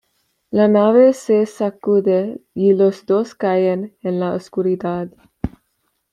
La nave se sacude y los dos caen en la oscuridad.